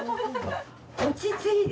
落ち着いて。